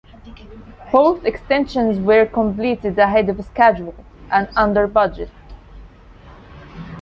Both extensions were completed ahead of schedule and under budget.